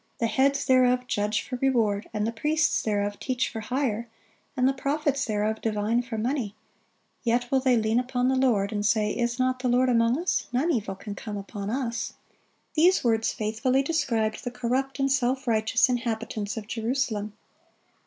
The heads thereof judge for reward, and the priests thereof teach for hire, and the prophets thereof divine for money: yet will they lean upon the Lord, and say, Is not the Lord among us? none evil can come upon us."(34) These words faithfully described the corrupt and self righteous inhabitants of Jerusalem.